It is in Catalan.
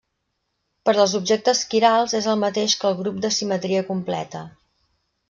Per als objectes quirals és el mateix que el grup de simetria completa.